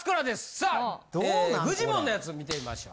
さあフジモンのやつ見てみましょう。